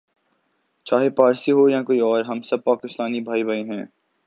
چاہے پارسی ہو یا کوئی اور ہم سب پاکستانی بھائی بھائی ہیں